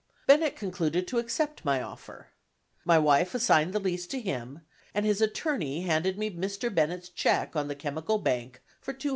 Bennett concluded to accept my offer. My wife assigned the lease to him, and his attorney handed me Mr. Bennett's check on the Chemical Bank for $200,000.